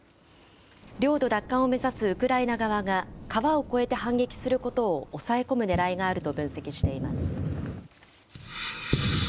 領土奪還を目指すウクライナ側が、川を越えて反撃することを抑え込むねらいがあると分析しています。